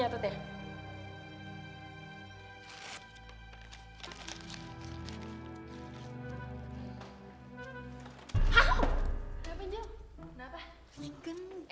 kita akan kapal dari masa mengikut dia